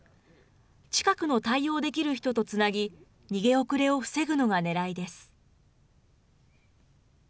近くの対応できる人とつなぎ、逃げ遅れを防ぐのがねらいです。